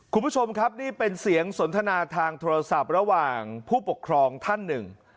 คุณผู้ชมครับนี่เป็นเสียงสนทนาทางโทรศัพท์ระหว่างผู้ปกครองท่านหนึ่ง